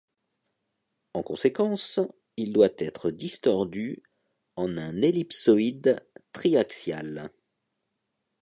En conséquence, il doit être distordu en un ellipsoïde triaxial.